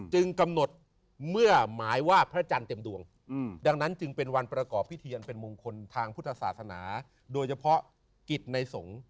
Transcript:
กำหนดเมื่อหมายว่าพระจันทร์เต็มดวงดังนั้นจึงเป็นวันประกอบพิธีอันเป็นมงคลทางพุทธศาสนาโดยเฉพาะกิจในสงฆ์